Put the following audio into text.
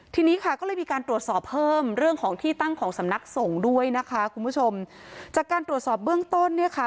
ทีนี้ค่ะก็เลยมีการตรวจสอบเพิ่มเรื่องของที่ตั้งของสำนักสงฆ์ด้วยนะคะคุณผู้ชมจากการตรวจสอบเบื้องต้นเนี่ยค่ะ